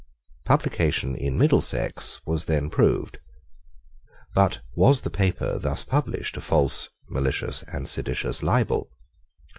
Publication in Middlesex was then proved. But was the paper thus published a false, malicious, and seditious libel?